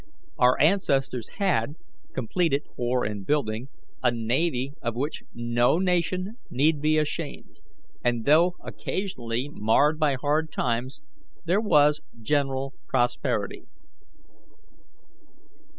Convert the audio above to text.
Our ancestors had, completed or in building, a navy of which no nation need be ashamed; and, though occasionally marred by hard times, there was general prosperity.